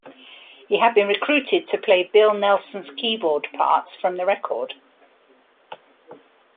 He had been recruited to play Bill Nelson's keyboard parts from the record.